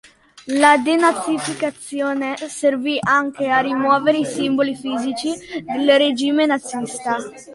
La denazificazione servì anche a rimuovere i simboli fisici del regime nazista.